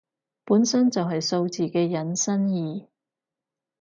本身就係數字嘅引申義